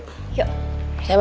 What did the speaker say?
saya masuk ya be